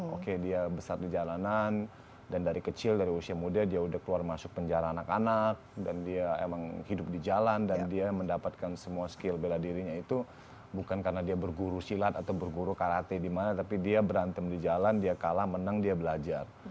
oke dia besar di jalanan dan dari kecil dari usia muda dia udah keluar masuk penjara anak anak dan dia emang hidup di jalan dan dia mendapatkan semua skill bela dirinya itu bukan karena dia berguru silat atau berguru karate di mana tapi dia berantem di jalan dia kalah menang dia belajar